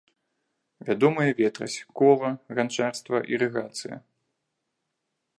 Вядомыя ветразь, кола, ганчарства, ірыгацыя.